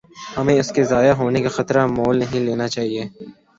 ہمیں اس کے ضائع ہونے کا خطرہ مول نہیں لینا چاہیے۔